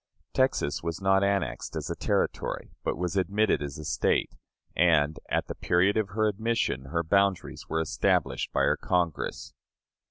Texas was not annexed as a Territory, but was admitted as a State, and, at the period of her admission, her boundaries were established by her Congress.